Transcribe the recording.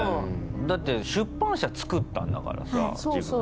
だって出版社作ったんだからさ自分で。